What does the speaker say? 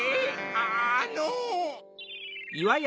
あの。